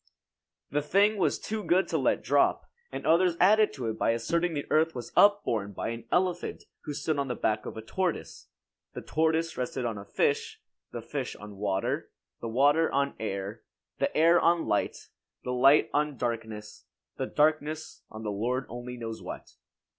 The thing was too good to let drop; and others added to it by asserting the earth was upborne by an elephant who stood on the back of a tortoise. The tortoise rested on a fish; the fish on water; the water on air; the air on light; the light on darkness; the darkness on the Lord only knows what.